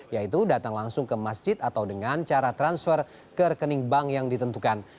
yaitu datang langsung ke masjid atau dengan cara transfer ke rekening bank yang ditentukan